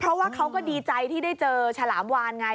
เพราะว่าเขาก็ดีใจที่ได้เจอฉลามวานไง